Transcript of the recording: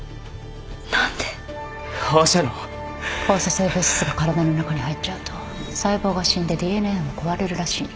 放射性物質が体の中に入っちゃうと細胞が死んで ＤＮＡ も壊れるらしいの